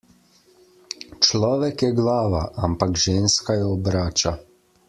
Človek je glava, ampak ženska jo obrača.